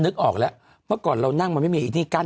๐๒๒๗๑๔๔๙๗นึกออกแล้วเมื่อก่อนเรานั่งมันไม่มีอีกที่กั้น